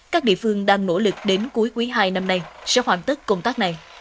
các địa phương đang nỗ lực đến cuối quý hai năm nay sẽ hoàn tất công tác này